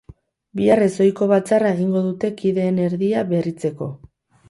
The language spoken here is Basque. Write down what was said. Bihar ez ohiko batzarra egingo dute kideen erdia berritzeko.